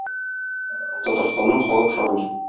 Татарстанның халык шагыйре.